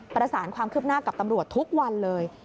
ประสานความคืบหน้ากับตำรวจทุกวันเลย